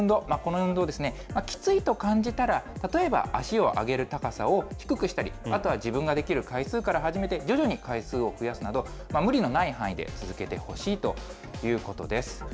桂川さんによりますと、先ほど紹介した運動、この運動、きついと感じたら例えば脚を上げる高さを低くしたり、あとは自分ができる回数から始めて、徐々に回数を増やすなど、無理のない範囲で続けてほしいということです。